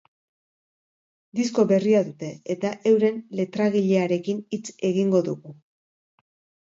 Disko berria dute, eta euren letragilearekin hitz egingo dugu.